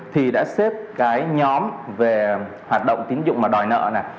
thì đã xếp cái nhóm về hoạt động tín dụng mà đòi nợ này